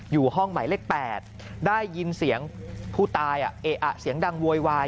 อยู่ห้องหมายเลข๘ได้ยินเสียงผู้ตายเสียงดังโวยวาย